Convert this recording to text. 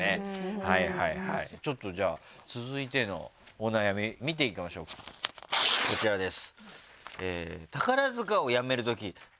はいはいはいちょっとじゃあ続いてのお悩み見ていきましょうこちらです。